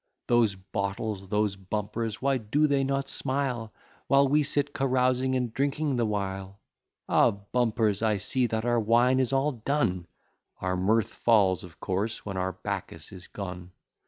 Those bottles, those bumpers, why do they not smile, While we sit carousing and drinking the while? Ah, bumpers, I see that our wine is all done, Our mirth falls of course, when our Bacchus is gone.